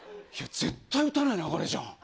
絶対撃たない流れじゃん。